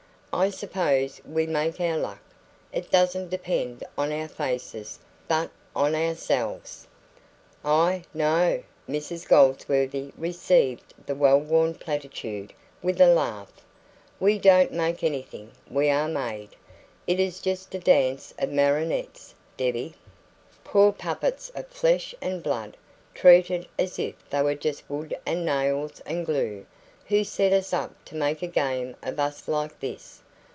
"I suppose we make our luck. It doesn't depend on our faces, but on ourselves." "Ah, no!" Mrs Goldsworthy received the well worn platitude with a laugh. "We don't make anything we are made. It is just a dance of marionettes, Debbie. Poor puppets of flesh and blood, treated as if they were just wood and nails and glue! Who set us up to make a game of us like this?